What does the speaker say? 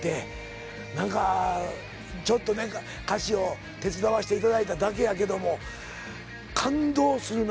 ちょっと歌詞を手伝わしていただいただけやけども感動するな。